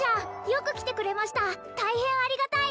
よく来てくれました大変ありがたい！